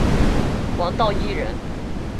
王道义人。